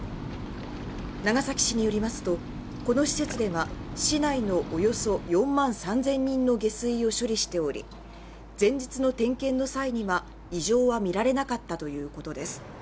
長崎市によりますとこの施設では市内のおよそ４万３０００人の下水を処理しており前日の点検の際には、異常は見られなかったということです。